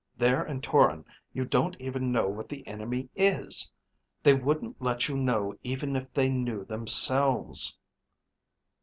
There in Toron you don't even know what the enemy is. They wouldn't let you know even if they knew themselves."